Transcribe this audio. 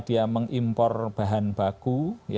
dia mengimpor bahan baku